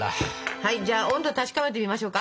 はいじゃあ温度確かめてみましょうか。